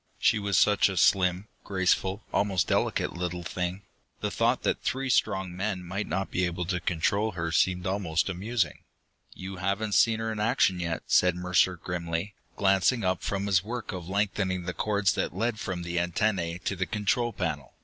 She was such a slim, graceful, almost delicate little thing; the thought that three strong men might not be able to control her seemed almost amusing. "You haven't seen her in action yet," said Mercer grimly, glancing up from his work of lengthening the cords that led from the antennae to the control panel.